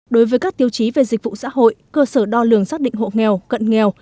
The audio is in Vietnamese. đối với các tiêu chí về dịch vụ xã hội cơ sở đo lường xác định hộ nghèo cận nghèo